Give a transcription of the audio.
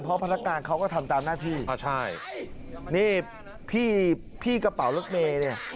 เพราะพนักงานเขาก็ทำตามหน้าที่อ่าใช่นี่พี่กระเป๋ารถเมย์เนี่ย